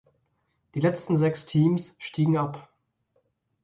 Die letzten sechs Teams stiegen ab.